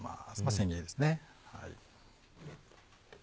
千切りですね。